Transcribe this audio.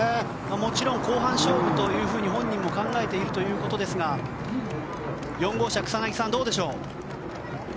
もちろん後半勝負と本人も考えているということですが４号車、草薙さんどうでしょう。